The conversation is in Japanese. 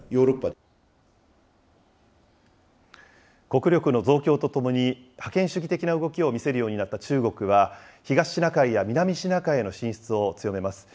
国力の増強とともに、覇権主義的な動きを見せるようになった中国は、東シナ海や南シナ海への進出を強めます。